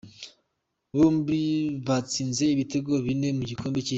Bombi batsinze ibitego bine mu Gikombe cy’Isi.